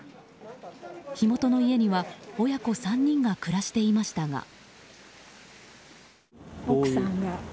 火元の家には親子３人が暮らしていましたが。